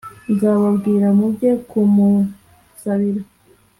nzababwira muge kumunsabira